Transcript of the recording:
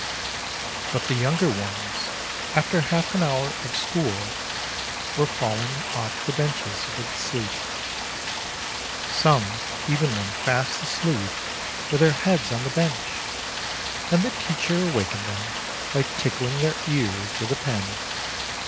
But the younger ones, after half an hour of school, were falling off the benches with sleep ; some even went fast asleep with their heads on the bench, and the teacher awakened them by tickling their ears with a pen.